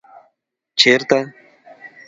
ـ چېرته؟